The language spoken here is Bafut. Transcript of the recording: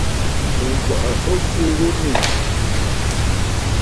Ŋ̀gwàʼà ɨ fu ghu maʼà.